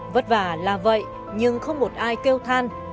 vất vả là vậy nhưng không một ai kêu than